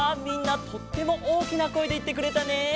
みんなとってもおおきなこえでいってくれたね。